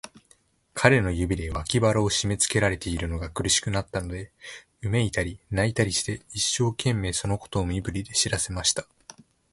彼の指で、脇腹をしめつけられているのが苦しくなったので、うめいたり、泣いたりして、一生懸命、そのことを身振りで知らせました。